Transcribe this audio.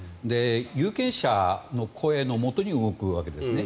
有権者の声のもとに動くわけですね。